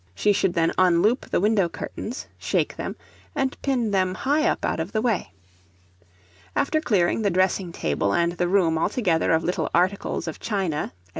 She should then unloop the window curtains, shake them, and pin them high up out of the way. After clearing the dressing table, and the room altogether of little articles of china, &c.